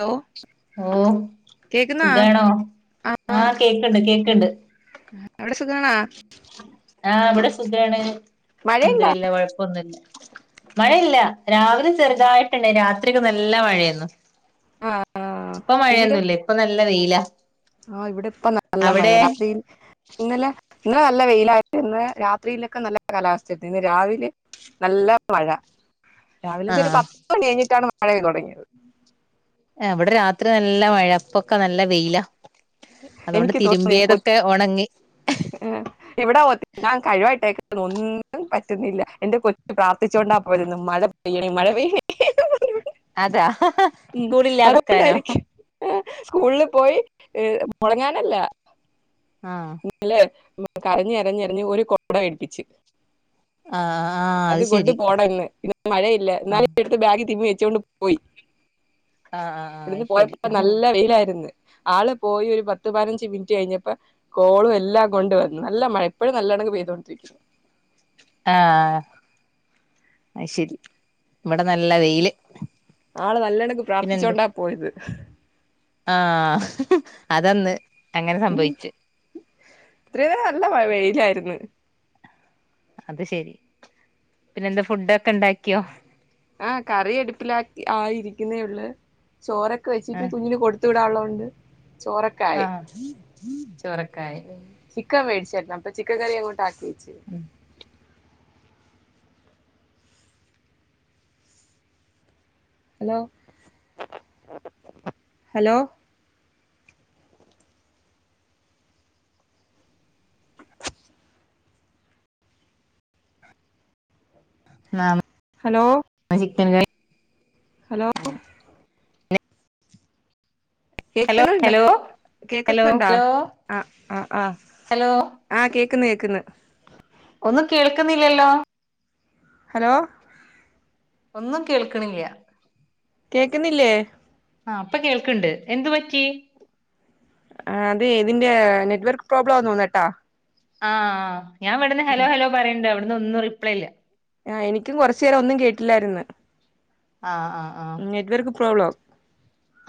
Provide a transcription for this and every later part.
Hello ഓ കേക്കുന്നാ സുഖാണോ ആ ആഹ് കേക്കണ്ട് കേക്കുണ്ട് അവിടെ സുഖണാ ആഹ് ഇവിടെ സുഖണ് മഴയുണ്ടോ അൽഹംദുലില്ലാ കുഴപ്പൊന്നുല്ല മഴയില്ല രാവിലെ ചെറുതായിട്ടുണ്ടയിരുന്നു രാത്രിക്ക് നല്ല മഴയെന്നു ഇപ്പ മഴയൊന്നുല്ല ഇപ്പൊ നല്ല വെയില ആഹ് ഇവിടെ ഇപ്പ നല്ല മഴ ഇന്നലെ ഇന്ന് നല്ല വെയിലായിട്ട് ഇന്ന് രാത്രിയിലൊക്കെ നല്ല കാലാവസ്ഥ ഇന്ന് രാവിലെ നല്ല മഴ രാവിലെ ച ഒരു ആഹ് പത്ത് മണി കഴിഞ്ഞിട്ടാണ് മഴ തുടങ്ങിയത് അവിടെ രാത്രി നല്ല മഴ ഇപ്പൊക്കെ നല്ല വെയില അതുകൊണ്ട് തിരുമ്പിയതൊക്കെ ഉണങ്ങി ആഹ് ഇവിടെത്തി ഞാൻ കഴിവായിട്ടേക്ക ഒന്നും പറ്റുന്നില്ല എന്റെ കൊച്ചു പ്രാർത്ഥിച്ചുക കൊണ്ടാ പോരുന്നു മഴ പെയ്യണെ മഴ പെയ്യണെ അതാ സ്കൂള് ഇല്ലതിക്കാനോ ഏഹ് സ്കൂളിൽ പോയി മുടങ്ങാനല്ല ആഹ് ഇല്ല കരഞ്ഞു കരഞ്ഞ് ഒരു കുട മേടിപ്പിച്ച് ആഹ് ആഹ് അത് അതുകൊണ്ട് ശരി പോണം ഇന്ന് മഴയില്ല ആഹ് ഇന്നാലും എടുത്തു ബാഗ് തിമ്മി വെച്ചോണ്ട് പോ - പോയി ആഹ് ആഹ് ആഹ് ഇവിടുന്ന് അത് ശരി പോയപ്പോ നല്ല വെയിലായിരുന്നു ആള് പോയി ഒരു പത്ത് പതിനഞ്ച് മിനിറ്റ് കഴിഞ്ഞപ്പോ കോളും എല്ലാം കൊണ്ട വന്നു നല്ല മഴ ഇപ്പോഴും നല്ലാണങ്ങ് പെയ്തൊടിരിക്കുന്നു ആഹ് അയ് ശരി ഇവിടെ നല്ല വെയില് ആള് നല്ലോണം പിന്നെന്ത് പ്രാർത്ഥിച്ചോണ്ടാ പോയത് ആഹ് അതന്ന് അങ്ങനെ സംഭവിച്ചു ഇത്രയ നേരം നല്ല വെയിലായിരുന്നു അത് ശെരി പിന്നെന്താ ഫുഡ ഒക്കെ ഉണ്ടാക്കിയോ ആഹ് കറി അടുപ്പിലാക്കി ആയിരിക്കുന്നേ ഉള്ളൂ ചോറൊക്കെ വെച്ചിട്ട് ആഹ് കുഞ്ഞിന് കൊടുത്ത കൊടുത്തു വിടാള്ളത്കൊണ്ട് ചോറക്കെ ആഹ് ചോറക്കായി ചിക്കൻ വേടിച്‌ര്ന്ന് അപ്പ ചിക്കൻ കറി അങ്ങോട്ട് ആക്കിവെച്ച് ഉം ഹലോ ഹലോ നാമ് ഹലോ ആ ചിക്കൻ കറി ഹലോ ഹലോ കേക്ക്ന്നുണ്ടോ ഹലോ ഹലോ കേക്ക്ന്നുണ്ടോ ഹലോ ആ ആ ആ ഹലോ ആ കേക്ക്ന്ന് കേക്ക്ന്ന് ഒന്നും കേൾക്കുന്നില്ലല്ലോ ഹലോ ഒന്നും കേൾക്ക്ണില്ല്യ കേക്ക്ന്നില്ലേ ആ ഇപ്പ കേൾക്ക്ണ്ട് എന്തു പറ്റി ആ അതെ ഇതിന്റെ നെറ്റ് വർക്ക് പ്രോബ്ലാന്ന് തോന്നെട്ടാ ആഹ് ഞാൻ ഇവട്ന്ന് ഹലോ ഹലോ പറീണ്ട് അവ്ട്ന്ന് ഒന്നും റിപ്ലൈ ഇല്ല. ആ എനിക്കും കൊർച് നേരം ഒന്നും കേട്ടില്ലായിര്ന്ന് ആഹ് ആഹ് ആഹ് നെറ്റ് വർക്ക് പ്രോബ്ല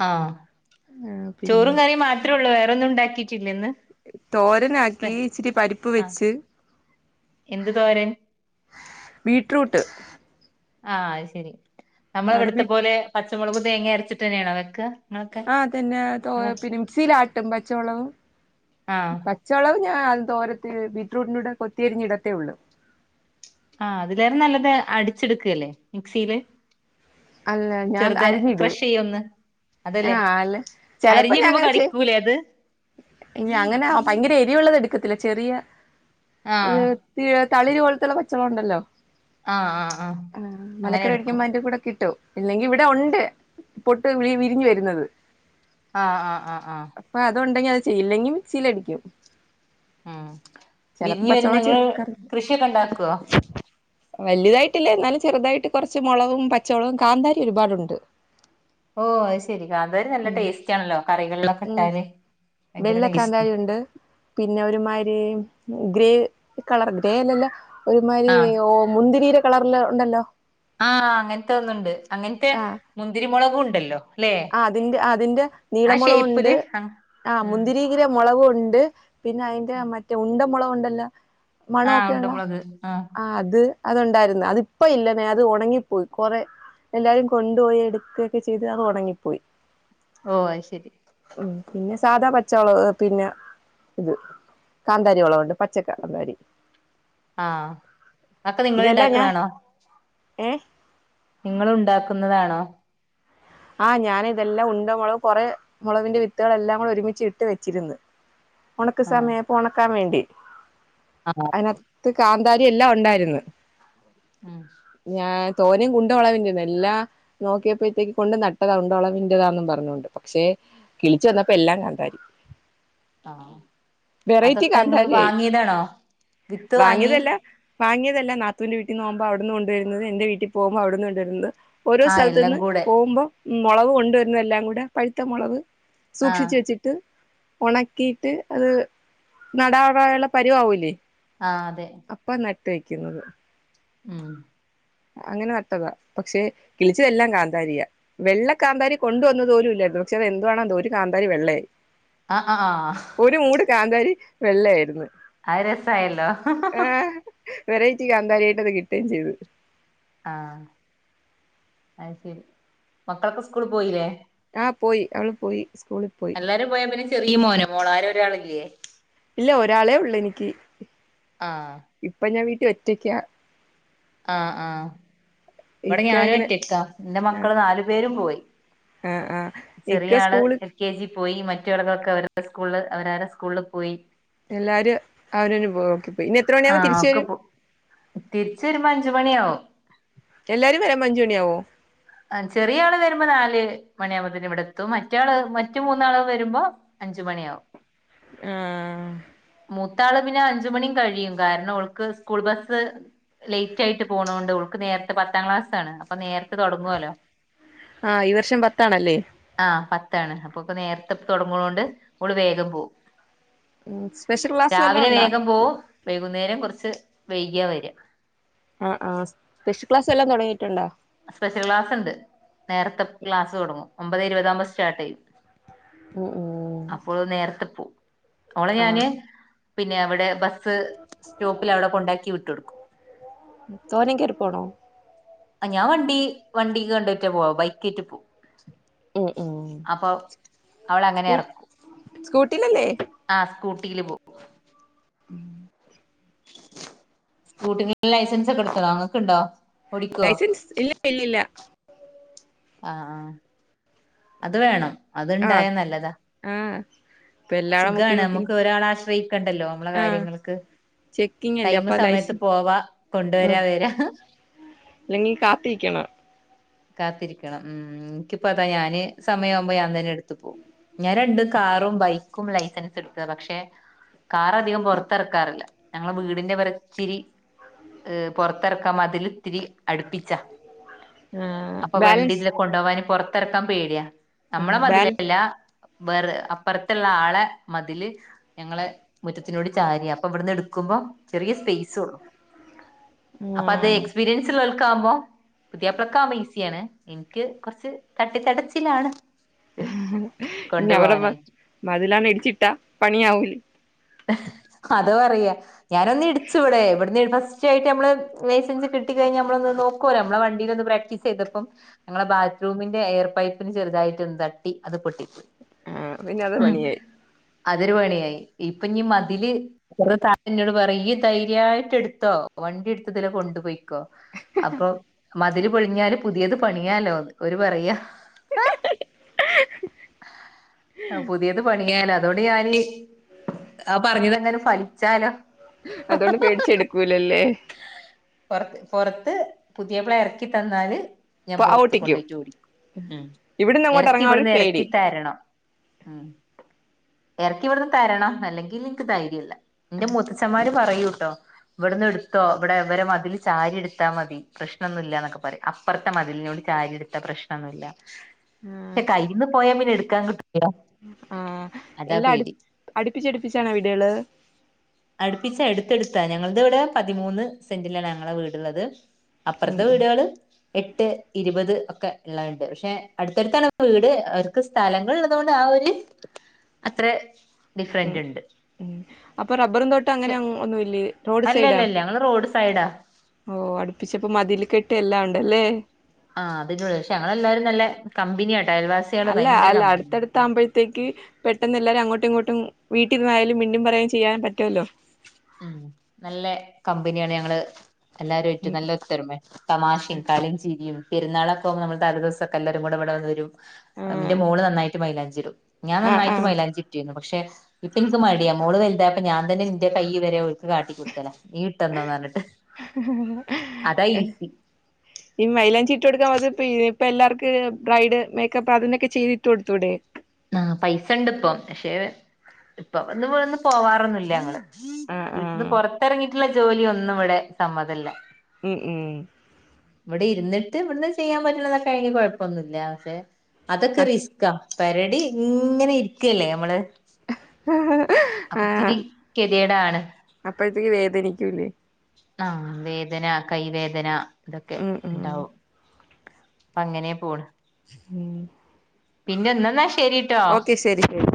ആഹ് പിന്നെ ചോറും കറിം മാത്രേ ഒള്ളൂ വേറൊന്നും ഇണ്ടാക്കിട്ടില്ലെ ഇന്ന് തോരനാക്കി ഇച്ചിരി പര്പ്പ് ആഹ് വെച്ച് എന്ത് തോരൻ ബീറ്റ്റൂട്ട് ആ അയ് ശരി നമ്മള അവിടെ ബീ ഇവട്ത്തെ പോല പച്ചമുളക് തേങ്ങ അരച്ചിട്ട് തന്നെണോ വെക്ക നിങ്ങളൊക്കെ ആ തന്നെ തോ നിങ്ങള് പിന്നെ മിക്സിയിലാട്ടും പച്ചമൊളവും ആഹ് പ പച്ച മൊളക് ഞാൻ തോരൻ ബീറ്റ്റൂട്ടിന്റുടെ കൊത്തിയരിഞ്ഞ ഇടത്തേ ഒള്ളു. ആ അതിലാറേ നല്ലത് അടിച്ചെടുക്കല്ലേ മിക്സിയില് അല്ല ചെറ്തെ ക്രഷയ്യ് ഒന്ന് ആ അതല്ലേ അല്ലെ ചെലപ്പം അരിഞ്ഞിടുമ്പോ ഞാങ്ങന ചെയ് കടിക്കൂലേ അത് ഇനി അങ്ങനെ ഭയങ്കര എരിവ് ഉള്ളത് എട് ക്കത്തില്ല ചെറിയ ആഹ് ത് തളിര് പോൽത്തുള്ള പച്ചമൊള ഇണ്ടല്ലോ ആഹ് ആഹ് ആഹ് അങ്ങനെ മലക്കറി എടുക്കും വേടിക്കുമ്പ അയ്ന്റെ കൂടെ കിട്ടും. ഇല്ലെങ്കി ഇവിടെ ഉണ്ട് പൊട്ട് വി വിരിഞ് വരുന്നത്. ആഹ് ആഹ് ആഹ് ആഹ് അപ്പൊ അത് ഉണ്ടെങ്കി അത് ചെയ്യും ഇല്ലെങ്കി മിക്സിയിലടിക്ക്യും. ഉം വിര്ഞ് വര്ന്നെ പച്ചമുളക് ഇങ്ങള് ചേർക്കാറില്ല കൃഷിയൊക്ക ഇണ്ടാക്കോ വല്തായിട്ടില്ല എന്നാലും ചെറുതായിട്ട് കോറച്ച് മൊളകും പച്ചമുളകും കാന്താരി ഒരുപാടുണ്ട്. ഓ അത് ശെരി കാ‍ന്താരി നല്ല ഉം ടെസ്റ്റാണല്ലോ കറികൾലൊക്ക ഉം ഇട്ടാല് ഭയങ്കര വെള്ള ടേസ് കാന്താരി ഉണ്ട് പിന്നെ ഒരുമാരി ഗ്രേ കളർ ഗ്രേ അല്ലല്ല ഒരുമാതിരി ആഹ് ഓ മുന്തിരീടെ കളർല് ഉണ്ടല്ലോ ആ അങ്ങൻത്തെ ഒന്ന് ഇണ്ട് അങ്ങൻത്തെ ആ മുന്തിരി മൊളകു ഇണ്ടല്ലോ. അല്ലെ ആ അതിന്റെ ആ അതിന്റെ നീള മൊളകു ഷേപ്പില് ഉണ്ട് ആ ആ ഉം മുന്തിരി [unintelligible] മൊളകു ഉണ്ട് പിന്നെ അയിന്റെ മറ്റേ ഉണ്ട മൊളക് ഉണ്ടല്ല ആഹ് മണൊക്കെ ഉള്ള ഉണ്ടമുളക് ആഹ് ആ അത് അത് ഉണ്ടായിര്ന്ന് അത് ഇപ്പ ഇല്ല നേർത്തെ ഒണങ്ങിപ്പോയി കൊറെ എല്ലാരും കൊണ്ടുപോയി എടുക്കക്കെ ചെയ്ത് അത് ഒണങ്ങി പോയി. ഓ അയ്ശരി ഉം പിന്നെ സാധാ പച്ചമുളക് പിന്നെ ഇത് കാന്താരി മൊളവ് ഉണ്ട് പച്ചക്കാന്താരി ആ ഒക്കെ ഇതെല്ലാം ഞാൻ നിങ്ങൾണ്ടാക്കണാണോ? ഏഹ് നിങ്ങള് ഉണ്ടാക്കുന്നതാണോ? ആഹ് ഞാൻ ഇതെല്ലാം ഉണ്ട മുളക് കുറെ മുളവിന്റെ വിത്തുകളെല്ലാം കൂടെ ഒരുമിച്ച് ഇട്ട് വെച്ചിരിന്ന് ഉണക്ക ആഹ് സമയ ആയപ്പൊ ഉണക്കാൻ വേണ്ടി ആഹ് അതിനക ത്ത് കാന്താരി എല്ലാം ഉണ്ടായിരുന്നു ഉം ഞാൻ തോനെയും [unintelligible] എല്ലാ നോക്കിയപ്പോഴത്തേക്ക് കൊണ്ട് നട്ടതാ ഉണ്ടോളകെന്റേതാന്ന് പറഞ്ഞോണ്ട് പക്ഷെ കിളിച്ചു വന്നപ്പോ എല്ലാം കന്താരി ആഹ് വെറൈറ്റി അതൊക്കെ നിങ്ങള് കാന്താരിയായി വാങ്ങിയതാണോ വിത്ത് വാങ്ങി വാങ്ങിയതല്ല വാങ്ങിയതല്ല നാത്തൂന്റെ വീട്ടന്ന് പൊമ്പോ അവിടുന്ന് കൊണ്ടുവരുന്നത് എന്റെ വീട്ടിൽ പോകുമ്പോ അവിടുന്ന് കൊണ്ടുവരുന്നത് ഓരോ ആഹ് സ്ഥലത്തു എല്ലാം നിന്ന് കൂടെ പോകുമ്പോ മുളവ് കൊണ്ടുവരുന്നതെല്ലാം കൂടെ പഴുത്ത മുളക് ആഹ് സൂക്ഷിച്ചു വെച്ചിട്ട് ഉണക്കിയിട്ട് അത് നടാറായാലുള്ള പരുവാവൂല്ലേ ആ അതെ അപ്പ നട്ട് വയ്ക്കുന്നത് ഉം അങ്ങനെ നട്ടതാ പക്ഷെ കിളിച്ചതെല്ലാം കാന്താരിയാ വെള്ള കാന്താരി കൊണ്ടുവന്ന പോലും ഇല്ല പക്ഷെ അത് എന്താണോ എന്തോ ഒരു കാന്താരി വെള്ളയായി ആഹാ ആഹ് ആഹ് ഒരു മൂട് കാന്താരി വെള്ള ആയിരുന്നു ആയ് രസായല്ലോ വെറൈറ്റി കാ‍ന്താരി ആയിട്ട് അത് കിട്ടുകയും ചെയ്തു ആഹ് അയ് ശരി മക്കളൊക്കെ സ്കൂള് പോയില്ലേ ആഹ് പോയി അവള് പോയി സ്കൂളിൽ പോയി എല്ലാരും പോയാ പിന്നെ ചെറിയ മോന മോളാ ആരോ ഒരാളില്ലേ ഇല്ല ഒരാളെ ഒള്ളു എനിക്ക് ആഹ് ഇപ്പൊ ഞാൻ വീട്ടിഒറ്റക്കാ ആഹ് ആഹ് ഇവിടെ ഇക്ക ഇങ്ങനെ ഞാനുംറ്റക്കാ എന്റെ ആഹ് മക്കള് നാലു പേരും പോയി ആഹ് ചെറിയ ഇക്ക് ആള് സ്കൂള് എൽ കെ ജി പോയി മറ്റുളള ഒക്കെ അവരുടെ സ്കൂളിൽ അവരരുടെ സ്കൂളിൽ പോയി എല്ലാരും അവര [unintelligible] ആഹ് ഒക്കെ പോം തിരിച്ചരുമ്പോ അഞ്ചു മണിയാവും എല്ലാരും വരുമ്പോ അഞ്ചുമണി ആവോ ചെറിയ ആള് വരുമ്പോ നാല് മണിയാകുമ്പോത്തേന് ഇവിടെ എത്തും മറ്റാള് മറ്റ മൂന്നാള് വരുമ്പോ അഞ്ചു മണിയാവും ആഹ് മൂത്താള് പിന്നെ അഞ്ചു മണിയും കഴിയും കാരണം ഓൾക്ക് സ്കൂൾ ബസ് ലേറ്റ് ആയിട്ട് പോണൊണ്ട് ഓൾക്ക് നേരത്തെ പത്താം ക്ലാസാണ് അപ്പൊ നേരത്തെ തുടങ്ങോല്ലോ ആഹ് ഈ വർഷം പത്താണല്ലേ ആഹ് പത്താണ് അപ്പൊക്കെ നേരത്തെ തൊടങ്ങണൊണ്ട് ഓള് വേഗം പോവും ഉം സ്പെഷ്യൽ ക്ലാസ് വല്ലോം രാവിലെ ഉണ്ടോ വേഗം പോവും വൈകുന്നേരം കുറച്ച് വൈകിയ വരാ ആഹ് ആഹ് സ്പെഷ്യൽ ക്ലാസ് എല്ലാം തുടങ്ങിയിട്ടുണ്ടോ സ്പെഷ്യൽ ക്ലാസ് ഉണ്ട് നേരത്തെ ക്ലാസ് തുടങ്ങും ഒമ്പത് ഇരുപതാകുമ്പോ സ്റ്റാർട്ട് ചെയ്യും ഉം ഉം അപ്പോ നേരത്തെ പോവും അവളെ ഞാന് ആഹ് പിന്നെ അവിടെ ബസ്സ് സ്റ്റോപ്പിൽ അവിടെ കൊണ്ടാക്കി വിട്ട് കൊടുക്കും ഉം തോനേം കേറി പോണോ ആഹ് ഞാൻ വണ്ടി വണ്ടികൊണ്ടേറ്റാ പോവാ ബൈക്കേറ്റ് പോവും ഉം ഉം അപ്പൊ അവളെ അങ്ങനെ എറക്കും സ്കൂട്ടിയിലല്ലേ ആഹ് സ്കൂട്ടിയില് പോവും ഉം സ്കൂട്ടിക് ലൈസൻസ് ഒക്കെ എടുത്തണോ ഇങ്ങക്ക്‌ണ്ടോ ലൈസൻസ് ഇല്ല ഇല്ലല്ല ആഹ് അത് വേണം ആഹ് അത്ണ്ടായാ നല്ലതാ ആഹ് ഇപ്പ എല്ലാടെ സുഖാണ് മുക്കിന് മുക്കിന് നമുക്ക് ഒരാളെ ആശ്രയിക്കണ്ടല്ലോ നമ്മളെ ആഹ് കാര്യങ്ങൾക്ക് ചെക്കിങ് അല്ലേ ടൈമ് അപ്പൊ സമയത്ത് ലൈസൻസ് പോവാ ഉം കൊണ്ടുവരാ വരാ അല്ലെങ്കിൽ കാത്തിരിക്കണം കാത്തിരിക്കണം ഉം ഇൻക്കിപ്പം അതാ ഞാന് സമയാവുമ്പോ ഞാൻ തന്നെ എടുത്തു പോവും ഞാൻ രണ്ട് കാറും ബൈക്കും ലൈസൻസ് എടുത്തത് പക്ഷെ കാറ് അധികം പുറത്തിറക്കാറില്ല ഞങ്ങളെ വീടിന്റെ വറച്ചിരി പുറത്തിറക്കാൻ മതിൽ ഇത്തിരി അടുപ്പിച്ചാ ആഹ് അപ്പൊ വണ്ടി ബാലൻസ് ഇതിലെ കൊണ്ടോവാൻ പൊറത്തിറക്കാൻ പേടിയാ നമ്മളെ ആഹ് ബാല മതിലല്ലാ വേറെ അപ്പുറത്തുള്ള ആളെ മതില് ഞങ്ങളെ മുറ്റത്തിനോട് ചാരിയ അപ്പൊ ഇവിടെന്ന് എടുക്കുമ്പോ ചെറിയ സ്പേസ ഉള്ളു ഉം അപ്പൊ അത് എക്സ്പീരിയൻസ് ഉള്ളോൽക്കാവുമ്പോ പുതിയ്യാപ്ലക്ക് ആത് ഈസിയാണ് ഇൻക്ക് കുറച്ച് തട്ടിത്തടച്ചിലാണ് ഇനി അവര്ടെ കൊണ്ടുപോവാനായിട്ട് മതിലണ് ഇടിച്ചിട്ടാ പണിയാവൂലെ അത് പറയാ ഞാന് ഒന്ന് ഇടിച്ചു ഇവിടെ ഇവിട്ന്ന് ഫസ് റ്റായിട്ട് നമ്മള് ലൈസൻസ് കിട്ടി കഴിഞ്ഞാ നമ്മളൊന്ന് നോക്കോല്ലോ നമ്മളെ വണ്ടിൽ ഒന്ന് പ്രാക്ടീസ് ചെയ്തപ്പം ഞങ്ങളെ ബാത്റൂമിന്റെ എയർ പൈപ്പിന് ചെറുതായിട്ട് ഒന്ന് തട്ടി അത് പൊട്ടി പോയി ആഹ് പിന്നെ അത് പണിയായി അതൊരു പണിയായി ഇപ്പൊ ഇഞ്ഞി മതില് അപ്പുറത്തെ താത്തന്നോട് പറയും ഇയ്യ് ധൈര്യയിട്ട് എടുത്തോ വണ്ടി എടുത്ത് ഇതിലെ കൊണ്ടുപോയി ക്കോ അപ്പൊ മതില് പൊളിഞ്ഞാല് പുതിയത് പണിയാലോ ഓര് പറയാ [inaudible] ആഹ് പുതിയത് പണിയാനാ അതോണ്ട് ഞാന് ആഹ് പറഞ്ഞത് അങ്ങട് ഫലിച്ചാലോ അതോണ്ട് പേടിച്ചെടുക്കൂലല്ലേ പൊറത്ത് പൊറത്ത് പുതിയപ്പള എറക്കി തന്നാല് ഞാൻ ഇപ്പൊ പൊറത്ത് ഓട്ടിക്കും കൊണ്ടോയിട്ട് ഓടിക്കും ഉം ഇവിടുന്ന് അങ്ങോട്ട് എറക്കി എറങ്ങാൻ ഒരു ഇവിടുന്ന് പേടി എറക്കി തരണം ഉം എറക്കി ഇവിടുന്ന് തരണം അല്ലെങ്കിൽ എനിക്ക് ധൈര്യല്ല ഇന്റെ മുത്തച്ഛന്മാര് പറയൂട്ടോ ഇവിടുന്ന് എടു ത്തോ ഇവിടെ ഇവരെ മതിൽ ചാരി എടുത്താൽ മതി പ്രശ്നൊന്നും ഇല്ലാന്നൊക്കെ പറയും അപ്പറത്തെ മതിലിനോട് ചാരി എടുത്ത പ്രശ് കാണൂല ആഹ് പക്ഷെ കയ്യ്ന്ന് പോയാ പിന്നെ എടുക്കാൻ കി ആഹ് എല്ലാം അട് അടുപ്പിച്ചടുപ്പിച്ചാണോ വീടുകള്? അട്പ്പിച്ച് എടുത്ത് എടുത്താ ഞങ്ങൾത് ഇവടെ പതിമൂന്ന് സെന്റിലാണ് ഞങ്ങളെ വീടുള്ളത് ഉം അപ്പർത്തെ വീടാള് എട്ട്, ഇരുപത് ഒക്കെ ഇള്ളഹ്ണ്ട് പക്ഷെ അടുത്തടുത്താണ് വീട് അവർക്ക് സ്ഥലങ്ങൾ ഇള്ളതുകൊണ്ട് ആഹ് ഒരു അത്ര ഉം ഡിഫറന്റ് ഇണ്ട് അപ്പൊ റബ്ബറും തോട്ടം അങ്ങനെ ഒന്നും ഇല്ലേ റോഡ് സൈഡാ? അല്ലല്ലല്ല ഞങ്ങള് റോഡ് സൈഡാ ഓഹ് അടുപ്പിച്ചപ്പോ മതില് കെട്ട് എല്ലാം ഉണ്ടല്ലേ ആഹ് അതിന്റെ ഉള്ളില് പക്ഷേ ഞങ്ങളെല്ലാരും നല്ലേ കമ്പനിയാട്ടോ അയൽ വാ അല്ല അല്ല അട്ത്തടു ത്താമ്പഴത്തേക്ക് പെട്ടെന്ന് എല്ലാരും അങ്ങോട്ടും ഇങ്ങോട്ടും വീട്ടിരുന്നായാലും മിണ്ടിം പറയും ചെയ്യാൻ പറ്റുല്ലോ ഉം നല്ല കമ്പനിയാണ് ഞങ്ങള് എല്ലാരും ആയിട്ട് ഉം നല്ല ഒത്തൊരുമേ തമാഷിം കളീം ചിരിയും പെരുന്നാളക്കെ നമ്മള് തലെ ദിവസം ഒക്കെ എല്ലാരും കൂടെ ഇവിടെ വരും ഇന്റെ ഉം മോള് നന്നായിട്ട് മൈലാഞ്ചിടും ഞാൻ ആഹ് നന്നായിട്ട് ആഹ് മൈലാഞ്ചി ഇട്ടീന്നു പക്ഷെ ഇപ്പ ഇൻക്ക് മടിയാ മോള് വൽതായപ്പോ ഞാൻ തന്നെ [unintelligible] കൈ വരെ ഒൽക്ക് കാട്ടിക്കൊടുക്കലാ ഈ ഇട്ടന്നോന്ന് ന്നർഞ്ട്ട് അതാ ഈസി [inaudible] ഈ മൈലാഞ്ചി ഇട്ട് കൊടുക്കാം അത് പിന്നെ ഇപ്പ എല്ലാർക്ക് ബ്രൈഡ് മേക്കപ്പ് അതിനൊക്കെ ചെയ്ത് ഇട്ട് കൊടുത്തൂടെ ആഹ് പൈസ ഇണ്ട് ഇപ്പം പക്ഷെ ഇപ്പ വന്ന് വന്ന് പോവാറൊന്നും ഇല്ല ഞങ്ങള് ആഹ് വീട്ട്ന്ന് ആഹ് പൊറത്തെറങ്ങിട്ട്ള്ള ജോലി ഒന്നും ഇവടെ സമ്മതല്ല ഉം ഉം ഇവടെ ഇര്ന്നിട്ട് ഇവട്ന്ന് ചെയ്യാൻ പറ്റ്ണതൊക്കെണെങ്കി കൊഴപ്പൊന്നുല്ല പക്ഷെ അതൊക്കെ ആഹ് റിസ്കാ പെരടി ഇങ്ങനെ ഇരിക്കല്ലേ ഞമ്മള് അപ്പ ഇച്ചിരി കെദ്യേടാണ്. അപ്പഴത്തേക്ക് വേദനിക്കൂലെ? ആഹ് വേദന കൈവേദന ഇതൊക്കെ ഉം ഉം ഇണ്ടാവും അങ്ങനെ പോണ് ഉം പിന്നെ എന്തന്നാ ശരി ഓക്കെ ശരി ശരി